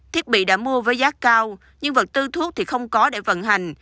thiết bị đã mua với giá cao nhưng vật tư thuốc thì không có để vận hành